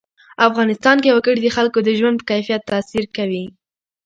افغانستان کې وګړي د خلکو د ژوند په کیفیت تاثیر کوي.